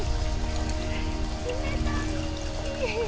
冷たい！